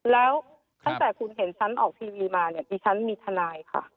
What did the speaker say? แล้วตั้งแต่คุณเห็นฉันออกทีวีมาเนี่ยดิฉันมีทนายค่ะ